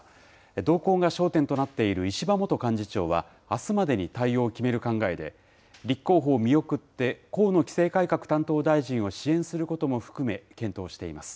動向が焦点となっている石破元幹事長は、あすまでに対応を決める考えで、立候補を見送って、河野規制改革担当大臣を支援することも含め、検討しています。